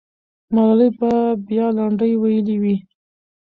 ملالۍ به بیا لنډۍ ویلي وي.